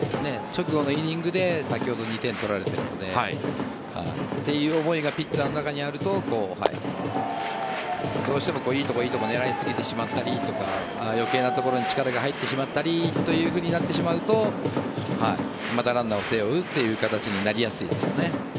直後のイニングで先ほど２点取られたのでという思いがピッチャーの中にあるとどうしてもいいところを狙いすぎてしまったり余計なところに力が入ってしまったりというふうになるとまたランナーを背負うという形になりやすいですよね。